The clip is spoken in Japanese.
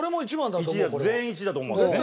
全員１位だと思うんですね。